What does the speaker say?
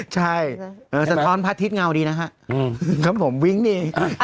ใช่สะท้อนพัฒน์ทิศเงาดีนะครับครับผมวิ่งดี